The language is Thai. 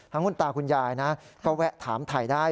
คุณตาคุณยายนะก็แวะถามถ่ายได้